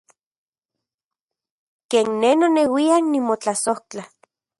Ken ne noneuian nimotlasojtla.